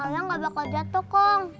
alia gak bakal jatuh kong